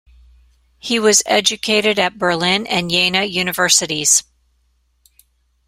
He was educated at Berlin and Jena universities.